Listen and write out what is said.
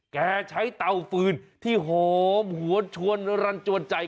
แกใช้เตาฟืนที่หอมหัวชวนรันจวนใจ